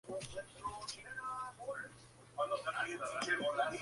Iniciado con un gesto de consagración, se termina en la cocina.